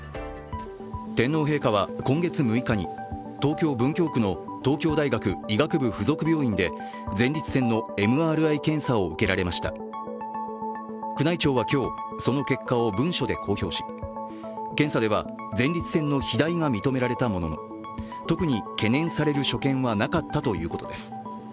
天皇陛下は今月６日に東京・文京区の東京大学医学部附属病院で前立腺のＭＲＩ検査を受けられました宮内庁は今日、その結果を文書で公表し検査では前立腺の肥大が認められたものの特に懸念される所見はなかったということです。